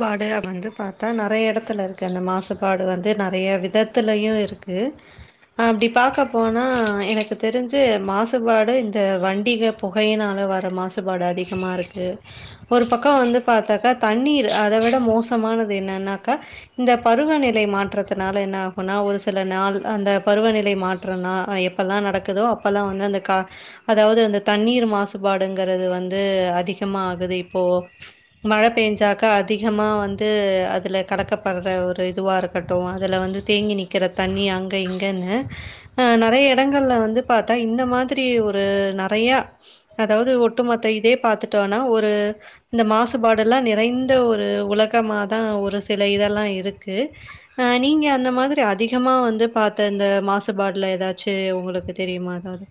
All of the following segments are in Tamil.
பாடு வந்து பாத்தா நறைய எடத்துல இருக்கு அந்த மாசுபாடு வந்து ந றைய விதத்துலையு இருக்கு அப்டி பாக்க போனா எனக்கு தெரிஞ்சு மாசுபாடு இந்த வண்டிக புகையினால வர மாசுபாடு அதிகமா ருக்கு ஒரு பக்கோ வந்து பாத்தாக்கா தண்ணீர் அத விட மோசமானது என்னனாக்கா இந்த பருவநிலை மாற்றத்துனால என்ன ஆகுனா ஒரு சில நாள் அந்த பருவநிலை மாற்றம்னா எப்பல்லா நடக்குதோ அப்பல்லா வந்து அந்த க அதாவ்து அந்த தண்ணீர் மாசுபாடுங்கறது வந்து அதிகமா ஆகுது இப்போ மழ பேஞ்சாக் அதிகமா வந்து அதுல கலக்கப்படுற ஒரு இதுவா இருக்கட்டு அதுல வந்து தேங்கி நிற்கிற தண்ணி அங்க இங்கன்னு அ நெறய எடங்கள்ல வந்து பார்த்தா இந்த மாதிரி ஒரு நெறய அதாவது ஒட்டுமொத்த இதே பாத்துட்டோனா ஒரு இந்த மாசுபாடுல்லா நிறைந் த ஒரு உலகம தா ஒரு சில இதெல்லா இருக்கு அ நீங்க அந்த மாதிரி அதிகமா வந்து பார்த்த இந்த மாசுபாட்ல எதா ச்சு உங்களுக்கு தெரியுமா எதாவ்து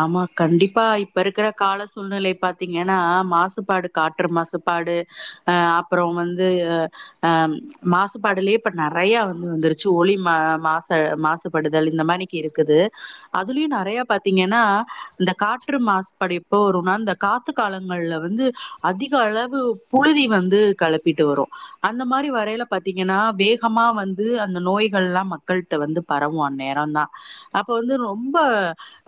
ஆமா கண்டிப்பா இப்ப இருக்கிற கால சூழ்நிலை பாத்தீங்கனா மாசுபாடு காற்று மாசுபாடு அ அப்புறோம் வந்து அ ஆ ம் மாசுபாடுலியே இப்ப நெறைய ம் வந்துருச்சு ஒளி மா மாச மாசுபடுதல் இந்த மாதிக்கு இருக்குது அதுலியு நெறைய பா த்தீங்கன்னா இந்த காற்று மாசுபாடு எப்போ வரும்னா இந்த காத்து காலங்கள்ல வந்து அதிக அளவு புழுதி வந்து களப்பிட்டு வரு அந்த மாரி வரையில பாத்தீங்கன்னா வேகமா வந்து அந்த நோய்கள்லா மக்கள்ட்ட வந்து பரவு அன் நேரோ தா அப்போ வந்து ரொம்ப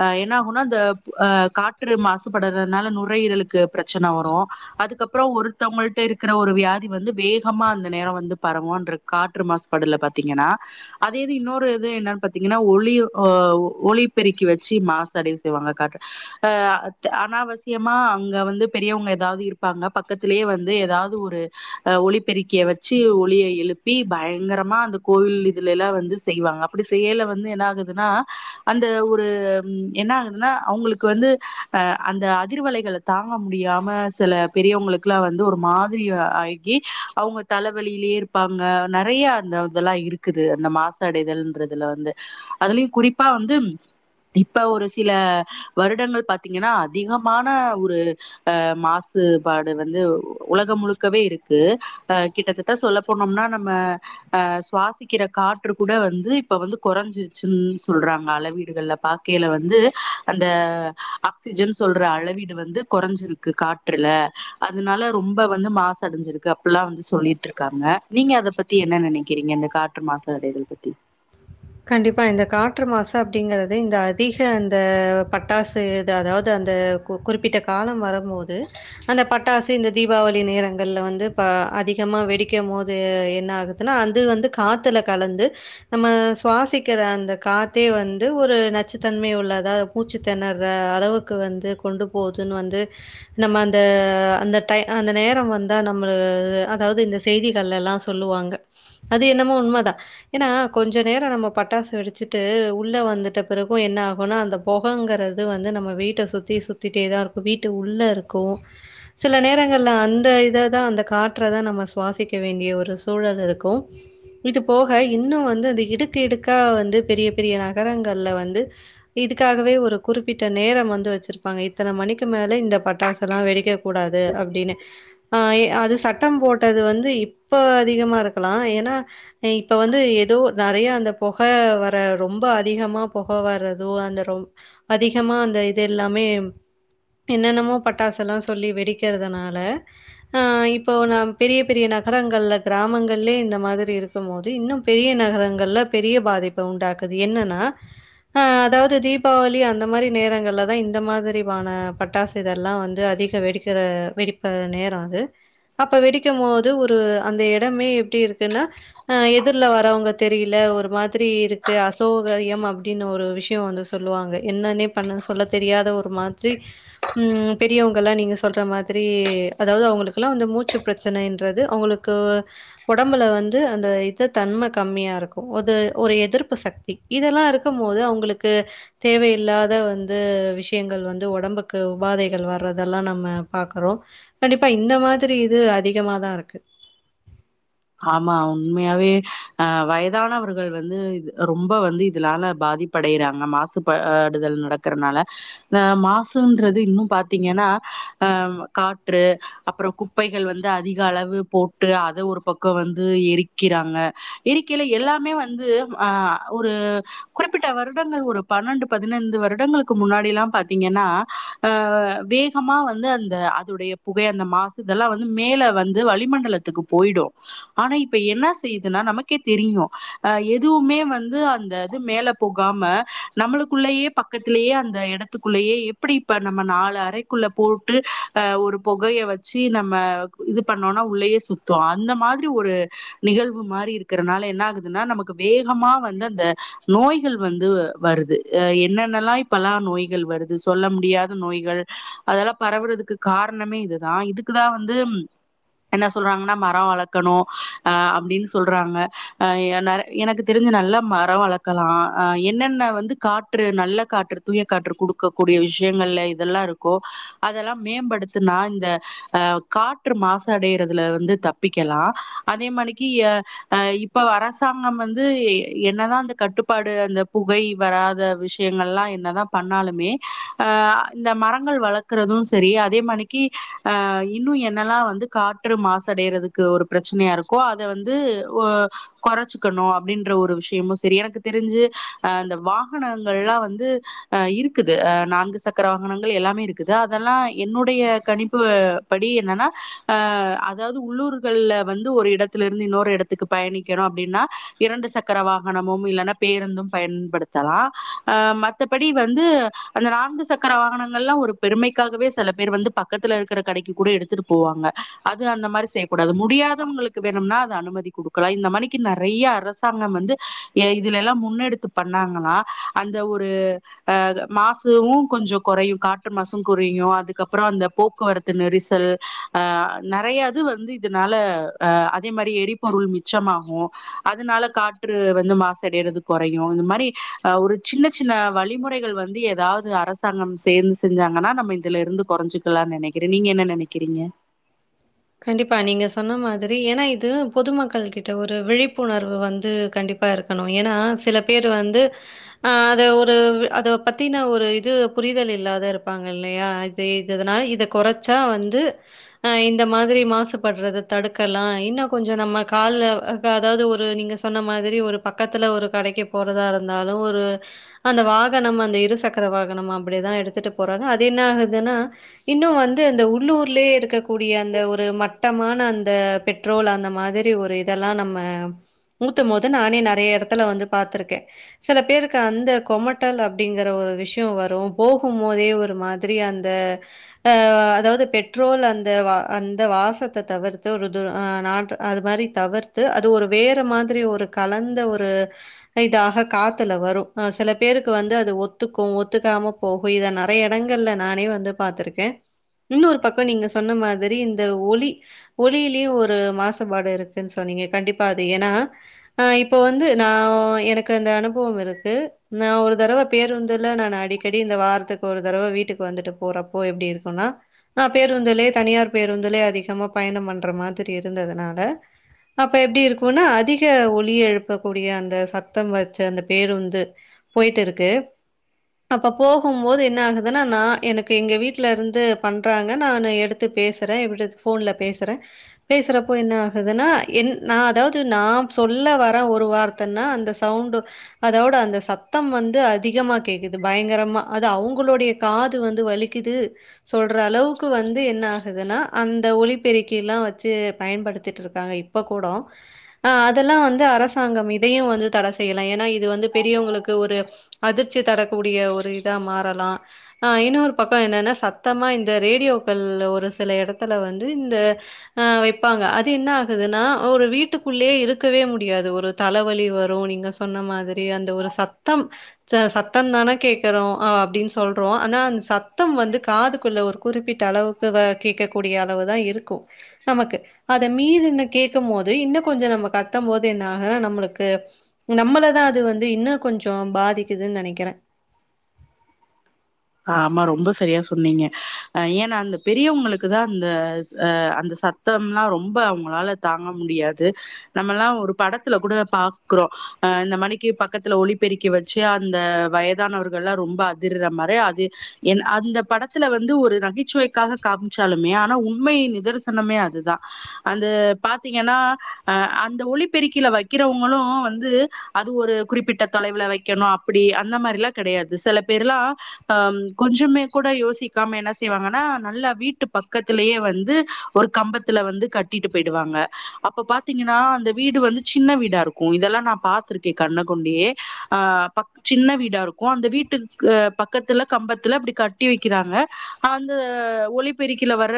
அ என்ன ஆகுனா அந்த ப காற்று மாசுபடுறனால நுரையீரலுக்கு பீரெச்சன வரு அதுக்கப்புறோ ஒருத்தவங்கள்ட்ட இருக்கிற ஒரு வியாதி வந்து வேகமா அந்த நேரோ வந்து பரவு அன்ற காற்று மாசுபடுல பாத்தீங்கன்னா அதே இது இன்னொரு இது என்னன் பாத்தீங்கன்னா ஒலி ஆ ஒ ஒலி பெருக்கி வெச் ச்சு மாசடைவு செய்வாங்க காற்று அ த அனாவசியமா அங்க வந்து பெரியவங்க ஏதாவ்து இருப்பாங்க பக்கத்திலியே வந்து ஏதாவ்து ஒரு ஒலிப்பெருக்கிய வெச்சு ஒலிய எழுப்பி பயங்கரமா அந்த கோவில் இதுலெல்லா வந்து செய்வாங்க அப்பிடி செய்யல வந்து என்ன ஆகுதுன்னா அந்த ஒரு ம் என்ன ஆகுதுன்னா அவ்ங்களுக்கு வந்து அ அந்த அதிர்வலைகளை தாங்க முடியாம சில பெரியோங்களுக் ல்லா வந்து ஒரு மாதிரி அ ஆகி அவுங்க தலவலியிலியே இருப்பாங்க நெறைய அந்த இதெல்லா இருக்குது அந்த மாசடைதல்ன்றதுல வந்து அதுலியு குறிப்பா வந்து ம் இப்ப ஒரு சில வருடங்கள் பாத்தீங்கன்னா அதிகமான ஒரு அ மாசுபாடு வந்து உ உலகம் முழுக்கவே இருக்கு அ கிட்டத்தட்ட சொல்ல போனோம்னா நம்ம அ சுவாசிக்கிற காற்று கூட வந்து இப்ப வந்து கொறஞ்சிச்சுன் சொல்றாங்க அளவீடுகள்ல பாக்கையில வந்து அந்த ஆக்சிஜன் சொல்ற அளவீடு வந்து கொறஞ்சிருக்கு காற்றுல அதனால ரொம்ப வந்து மாசடைஞ்சிருக்கு அப்பில்லா வந்து சொல்லிட்ருக்காங்க நீங்க அத பத்தி என்ன நெனைக்கிறீங்க இந்த காற்று மாசு அடைதல் பத்தி கண்டிப்பா இந்த காற்று மாசு அப்டிங்கறது இந்த அதிக அந்த பட்டாசு இ அதாவ்து அந்த கு குறிப்பிட்ட காலம் வரும்போது அந்த பட்டாசு இந்த தீபாவளி நேரங்கள்ல வந்து ப அதிகமா வெடிக்குமோது என்ன ஆகுதுன்னா அது வந்து காத்துல கலந்து நம்ம சுவாசிக்கிற அந்த காத்தே வந்து ஒரு நச்சுத்தன்மை உள்ளதா மூச்சு திணற அளவுக்கு வந்து கொண்டு போதுன் வந்து நம்ம அந்த அந்த டை அந்த நேரோ வந்தா நம்ம [unintelligible] அதாவ்து இந்த செய்திகள்ல எல்லா சொல்லுவாங்க அது என்னமோ உண்மதான் ஏன்னா கொஞ்சு நேரோ நம்ம பட்டாசு வெடிச்சுட்டு உள்ள வந்துட்ட பிறகு என்ன ஆகுனா அந்த பொகங்கிறது வந்து நம்ம வீட்ட சுத்தி சுத்திட்டேதா இருக்கு வீட்டு உள்ள இருக்கு சில நேரங்கள்ல அந்த இததா அந்த காற்ற தா நம்ம சுவாசிக்க வேண்டிய ஒரு சூழல் இருக்கு இது போக இன்னு வந்து இ இடுக்கு இடுக்கா வந்து பெரிய பெரிய நகரங்கள்ல வந்து இதுக்காகவே ஒரு குறிப்பிட்ட நேரம் வந்து வச்சிருப்பாங்க இத்தன மணிக்கு மேல இந்த பட்டாசுல்லா வெடிக்க கூடாது அப்டீனு அ எ அது சட்டம் போட்டது வந்து இப்ப அதிகமா இருக்கலா ஏன்னா இப்ப வந்து எதோ நெறைய அந்த பொக வர ரொம்ப அதிகமா பொக வரதோ அந்த ரொம் அதிகமா அந்த இது எல்லாமே என்னென்னமோ பட்டாசெல்லா சொல்லி வெடிக்கிறதுனால அ இப்போ ந பெரிய பெரிய நகரங்கள்ல கிராமங்கள்லே இந்த மாதிரி இருக்குமோது இன்னு பெரிய நகரங் கல்ல பெரிய பாதிப்ப உண்டாக்குது என்னனா அ அதாவ்து தீபாவளி அந்த மாரி நேரங்கள்ல தா இந்த மாதிரி வான பட்டாசு இதெல்லா வந்து அதிகோ வெடிக்கிற வெடிப்ப நேரோ அது அப்ப வெடிக்குமோது ஒரு அந்த எடமே எப்டி இருக்குன்னா அ எதிர்ல வரவங்க தெரியில ஒரு மாதிரி இருக்கு அசௌகரியம் அப்டின்னு ஒரு விஷ்யோ வந்து சொல்லுவாங்க என்னன்னே பண்ணு சொல்ல தெரியாத ஒரு மாத்ரி ம் பெரியவங்கெல்லா நீங்க சொல்ற மாதிரி அதாவது அவுங்களுக்கெல்லா வந்து மூச்சு ப்ரெச்சனைன்றது அவ்ங்களுக்கு ஒடம்புல வந்து அந்த இத தன்ம கம்மியா இருக்கு அது ஒரு எதிர்ப்பு சக்தி இதெல்லா இருக்கும் போது அவ்ங்குளுக்கு தேவையில்லாத வந்து விஷயங்கள் வந்து ஒடம்புக்கு உபாதைகள் வர்றதெல்லா நம்ம பாக்குறோ கண்டிப்பா இந்த மாதிரி இது அதிகமாதா ருக்கு ஆமா உண்மையாவே அ வயதானவர்கள் வந்து இது ரொம்ப வந்து இதுலால பாதிப்படையறாங்க மாசுப அ டுதல் நடக்கறனால அ மாசுன்றது இன்னு பாத்தீங்கென்னா அ ம் காற்று அப்புறோ குப்பைகள் வந்து அதிக அளவு போட்டு அத ஒரு பக் கோ வந்து எரிக்கிறாங்க எரிக்கெல எல்லாமே வந்து ஆ ஒரு குறிப்பிட்ட வருடங்கள் ஒரு பன்னெண்டு பதினைந்து வருடங்களுக்கு முன்னாடி ல்லா பாத்தீங்கன்னா அ வேகமா வந்து அந்த அதுடைய புகை அந்த மாசு இதெல்லா வந்து மேல வந்து வளிமண்டலத்துக்கு போயிடு ஆனா இப்ப என்ன செய்யுதுன்னா நமக்கே தெரியு அ எதுவுமே வந்து அந்த இது மேல போகாம நம்மளுக்குள்ளயே பக்கத்திலேயே அந்த இடத்துக்குள்ளயே எப்படி இப்ப நம்ம நாலு அறைக்குள்ள போட்டு அ ஒரு புகைய வச்சி நம்ம இது பண்ணோனா உள்ளயே சுத்தோ அ இந்த மாதிரி ஒரு நிகழ்வு மாறி இருக்கறனால என்ன ஆகுதுன்னா நமக்கு வேகமா வந்து அந்த நோய்கள் வந்து வருதே அ என்னென்னல்லா இப்பலா நோய்கள் வருது சொல்ல முடியாத நோய்கள் அதெல்லா பரவுறதுக்கு காரணமே இதுதா இதுக்குதா வந்து ம் என்ன சொல்றாங்கன்னா தா வளக்கணு அ அப்டின் சொல்றாங்க அ என்னால எனக்கு தெரிஞ்சு நல்லா மரோ வளக்கலா அ என்னென்ன வந்து காற்று நல்ல காற்று தூய காற்று குடுக்கக்கூடிய விஷ்யங்கள்ல இதெல்லா ருக்கோ அதெல்லா மேம்படுத்துனா இந்த அ காற்று மாசடையறதுல வந்து தப் பிக்கலா அதே மானிக்கி அ அ இப்ப அரசாங்கம் வந்து எ என்னதா அந்த கட்டுப்பாடு அந்த புகை வராத விஷயங்கள் லா என்னதா பண்ணாலுமே அ அ இந்த மரங்கள் வளக்குறது செரி அதே மானீக்கி அ இன்னு என்னல்லா வந்து காற்று மாசு அடையறதுக் கு ஒரு ப்ரெச்சனையா இருக்கோ அத வந்து ஒ கொறச்சிக்கணோ அப்படின்ற ஒரு விஷயமு செரி எனக்கு தெரிஞ்சு அ அந்த வாகனங்கள்லா வந்து அ இருக்குது அ நான்கு சக்கர வாகனங்கள் எல்லாமே இருக்குது அதெல்லா என்னுடைய கணிப்பு படி என்னன்னா அ அதாவ்து உள்ளூரு கள்ல வந்து ஒரு இடத்தல இருந்து இன்னொரு எடத்துக்கு பயணிக்கணு அப்டின்னா இரண்டு சக்கர வாகனமும் இல்லன்னா பேருந்தும் பயன்படுத்தலா அ மத்தபடி வந்து அந்த நான்கு சக்கர வாகனங்கலா ஒரு பெருமைக்காகவே சில பேர் வந்து பக்கத்துல இருக்கிற கடைக்கு கூட எடுத்துட்டு போவாங்க அது அந்த மாரி செ கூடாது முடியாதவங்களுக்கு வேணும்னா அத அனுமதி குடுக்கலா இந்த மானிக்கி நெறைய அரசாங்கம் வந்து இதுல எல்லா முன்னெடுத்து பண்ணாங்களா அந்த ஒரு அ து மாசுவு கொஞ்சோ குறையு காற்று மாசு குறையு அதுக்கப்புறோ அந்த போக்குவரத்து நெரிசல் அ நெறைய இது வந்து இதனால அ அதே மாரி எரிபொருள் மிச்சமாகு அதனால காற்று வந்து மாசடையறது கொறயு இந்த மாரி அ ஒரு சின்ன சின்ன வழிமுறைகள் வந்து எதாவ்து அரசாங்கம் சேந் செஞ்சாங்கன்னா நம்ம இதுல இருந்து கொறஞ்சிக்கலான் நெனைக்கிறே நீங்க என்ன நெனைக்கிறீங்க கண்டிப்பா நீங்க சொன்ன மாதிரி ஏன்னா இது பொதுமக்கள் கிட்ட ஒரு விழிப்புணர்வு வந்து கண்டிப்பா இருக்கணு ஏன்னா சில பேர் வந்து ஆ அத ஒரு அத பத்தினா ஒரு இது புரிதல் இல்லாத இருப்பாங்க இல்லையா இது இதனால இத கொறச்சா வந்து அ இ ந்த மாதிரி மாசுபட்றத தடுக்கலா இன்னு கொஞ்சோ நம்ம கால அத அதாவ்து ஒரு நீங்க சொன்ன மாதிரி ஒரு பக்கத்துல ஒரு கடைக்கு போறதா இருந்தாலு ஒரு அந்த வாகனம் அந்த இருசக்கர வாகனம் அப்டிதா எடுத்துட்டு போறாங்க அது என்ன ஆகுதுன்னா இன்னு வந்து இந்த உள்ளூர்லேயே இருக்கூ டிய அந்த ஒரு மட்டமான அந்த பெட்ரோல் அந்த மாதிரி ஒரு இதெல்லா நம்ம ஊத்தும் போது நானே நெறைய எடத்துல வந்து பாத்திருக்கே சில பேருக்கு அந்த கொமட்டல் அப்டிங்கற ஒரு விஷ்யோ வரு போகும் போதே ஒரு மாதிரி அந்த அ அதாவ்து பெட்ரோல் அ ந்த வா அந்த வாசத்த தவிர்த்து ஒரு துரு ஆ நாற் அது மாரி தவிர்த்து அது ஒரு வேற மாதிரி ஒரு கலந்த ஒரு இதாக காத்துல வரு அ சில பேருக்கு வந்து அது ஒத்துக்கு ஒத்துக்காம போகு இத நெறைய எடங்கள்ல நானே வந்து பாத்துருக்கே இன்னொரு பக்கோ நீங்க சொன்ன மாதிரி இந்த ஒலி ஒலியிலியு ஒரு மாசுபாடு இருக்குன் சொன்னீங்க கண்டிப்பா அது ஏன்னா அ இப்போ வந்து நா அ எனக் அந்த அனுபவம் இருக்கு நா ஒரு தடவ பேருந்துல நான் அடிக்கடி இந்த வாரத்துக்கு ஒரு தடவ வீட்டுக் வந்துட்டு போறப்போ எப்டி இருக்குனா நா பேருந்துலே தனியார் பேருந்துலே அதிகமா பயணம் பண்ற மாதிரி இருந்ததுனால அப்ப எப்டி இருக்குனா அதிக ஒலி எழுப்பக்கூடிய அந்த சத்தம் வச்ச அந்த பேருந்து போய்ட்டுருக்கு அப்ப போகும் போது என்ன ஆகுதுன்னா நா எனக்கு எங்க வீட்ல இருந்து பண்றாங்க நானு எடுத் து பேசற [unintelligible] ஃபோன்ல பேசுறே பேசுறப்போ என்ன ஆகுதுன்னா என் நா அதாவ்து நா சொல்ல வர ஒரு வார்த்தன்னா அந்த சவுண்டு அதோட அந்த சத்தம் வந்து அதிகமா கேக்குது பயங்கரமா அ அவ்ங்களுடைய காது வந்து வலிக்குது சொல்ற அளவுக்கு வந்து என்ன குதுனா அந்த ஒலிப்பெருக்கிலா வெச்சி பயன்படுத்திட்டுருக்காங்க இப்ப கூடோ அ அதெல்லா வந்து அரசாங்கம் இதையு வந்து தட செய்யலா ஏன்னா இது வந்து பெரியவங்குளுக்கு ஒரு அதிர்ச்சி தரக்கூடிய ஒரு இதா மாறலா அ இன்னொரு பக்கோ என்னன்னா சத்தமா இந்த ரேடியோக்கள் ஒரு சில எடத்துல வந்து இந்த அ வைப்பாங்க அது என்ன ஆகுதுன்னா ஒரு வீட்டுக்குள்ளியே இருக்கவே முடியாது ஒரு தலவலி வரு நீங்க சொன்ன மாதிரி அந்த ஒரு சத்தம் ச சத்தோ தானே கேக்கறோ அப்டின் சொல்றோ ஆனா அந்த சத்தம் வந்து காதுக்குள்ள ஒரு குறிப்பிட்ட அளவுக்கு வ கேக்கக்கூடிய அளவுதா இருக்கு நமக்கு அத மீறின்ன கேக்கும் போது இன்னு கொஞ்சோ நம்மோ கத்தமோது என்ன ஆகுன்னா நம்மளுக்கு நம்மளதா அது வந்து இன்னு கொஞ்சோ பாதிக்குதுன் நெனைக்கிறே ஆமா ரொம்ப சரியா சொன்னீங்க அ ஏன்னா அந்த பெரியவங்களுக்கு தா அந்த அ அந்த சத்தம் லா ரொம்ப அவுங்களால தாங்க முடியாது நம்மல்லா ஒரு படத்துல கூட பாக்குறோ அ இந்த மானிக்கி பக்கத்துல ஒலிப்பெருக்கி வச்சு அந்த வயதானவர்கள் லா ரொம்ப அதிர்ற மாரி அ து அந்த படத்துல வந்து ஒரு நகைச்சுவைக்காக காம்ச்சாலுமே ஆனா உண்மை நிதர்சனமே அதுதா அந்த பாத்தீங்கன்னா அ அந்த ஒலிப்பெருக்கில வைக்கிறவங்களு வந்து அது ஒரு குறிப்பிட்ட தொலைவுல வைக்கணு அப்படி அந்த மாரிலா கெடையாது சில பேரு லா அ கொஞ்சமே கூட யோசிக்காம என்ன செய்வாங்கன்னா நல்லா வீட்டு பக்கத்திலேயே வந்து ஒரு கம்பத்துல வந்து கட்டிட்டு போய்டுவாங்க அப்ப பாத்தீங்கன்னா அந்த வீடு வந்து சின்ன வீடா ருக்கு இதெல்லா நா பாத்திருக்கே கண்ண கொண்டியே அ பக் சின்ன வீடாருக்கு அந்த வீட்டுக் பக் பக்கத்துல கம்பத்துல அப்டி கட்டி வைக்கிறாங்க அந்த ஒலிப்பெருக்கில வர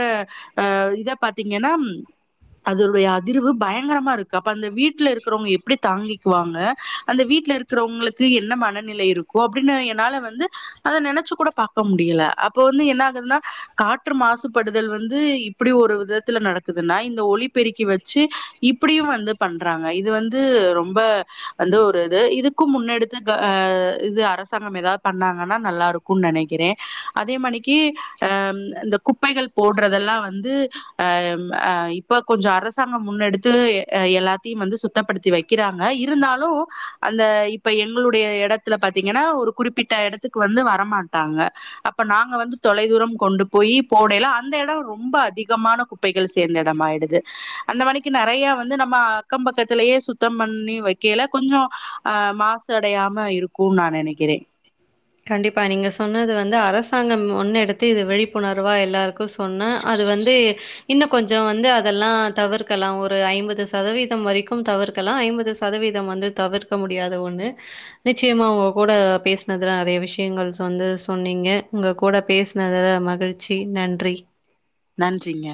அ இத பாத்தீங்கன்னா ம் அதனுடைய அதிர்வு பயங்கரமா ருக்கு அப்ப அந்த வீட்ல இருக்குறவொங் எப்டி தாங்கிக்வாங்க அந்த வீட்ல இருக்கிறவங்களுக்கு என்ன மனநிலை இருக்கோ அப்டீனு என்னால வந்து அத நெனைச்சு கூட பாக்க முடியல அப்போ வந்து என்ன ஆகுதுன்னா காற்று மாசுபடுதல் வந்து இப்படி ஒரு விதத்துல நடக்குதுன்னா இந்த ஒலிப்பெருக்கி வெச்சு இப்பிடியு வந்து பண்றாங்க இது வந்து ரொம்ப வந்து ஒரு இது இதுக்கும் முன்னெடுத்து க அ இது அரசாங்கம் ஏதாவ் பண்ணாங்க ரா நல்லாருக்கு நெனைக்கிறே அதேமனிக்கி அ ம் அ இந்த குப்பைகள் போடுறதெல்லா வந்து அ ம் அ இப்ப கொஞ்ச அரசாங்கம் முன்னெடுத்து எ எல்லாத்தியு வந்து சுத்தப்படுத்தி வைக்கிறாங்க இருந்தாலு அந்த இப்ப எங்களுடைய எடத்துல பாத்தீங்கன்னா ஒரு குறிப்பிட்ட எடத் துக்கு வந்து வரமாட்டாங்க அப்ப நாங்க வந்து தொலைதூரம் கொண்டு போயி போடைல அந்த எடோ ரொம்ப அதிகமான குப்பைகள் சேந்த எடமாய்டுது அந்த மனிக்கி நெறைய வந்து நம்ம அக்கம் பக்கத்திலயே சுத்தம் பண்ணி வைக்கலே கொஞ்சோ அ மாசு அடையாம இருக்கு நா நெனைக்கிறே கண்டிப்பா நீங்க சொன்னது வந்து அரசாங்கம் ஒன்னு எ அடுத்து இது விழிப்புணர்வா எல்லாருக்கும் சொன்ன அது வந்து இன்னும் கொஞ்சம் வந்து அதெல்லாம் தவிர்க்கலாம் ஒரு ஐம்பது சதவீதம் வரைக்கும் தவிர்க்கலாம் ஐம்பது சதவீதம் வந்து தவிர்க்க முடியாத ஒண்ணு நிச்சயமாக உங்க கூட பேசினது ல நிறைய விஷயங்கள் வந்து சொன்னீங்க உங்க கூட பேசினதில மகிழ்ச்சி நன்றி நன்றிங்க